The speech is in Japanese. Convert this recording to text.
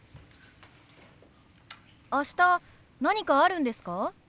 明日何かあるんですか？